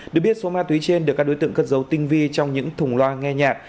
được biết số ma túy trên được các đối tượng cất dấu tinh vi trong những thùng loa nghe nhạc